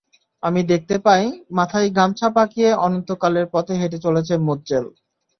আমি দেখতে পাই, মাথায় গামছা পাকিয়ে অনন্তকালের পথে হেঁটে চলেছে মজ্জেল।